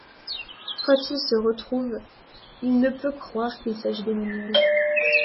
Quand ils se retrouvent, il ne peut croire qu'il s'agit d'Emmanuelle.